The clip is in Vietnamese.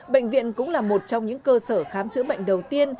bệnh viện cũng là một trong những cơ sở khám chữa bệnh đầu tiên